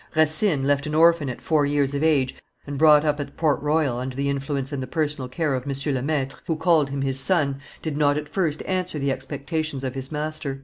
Racine, left an orphan at four years of age, and brought up at Port Royal under the influence and the personal care of M. Le Maitre, who called him his son, did not at first answer the expectations of his master.